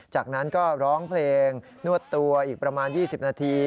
จากนั้นก็ร้องเพลงนวดตัวอีกประมาณ๒๐นาที